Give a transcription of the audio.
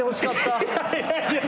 いやいやいやいや。